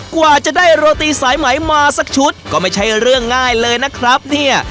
กว่าจะได้โรตีสายไหมมาสักชุดก็ไม่ใช่เรื่องง่ายเลยนะครับเนี่ย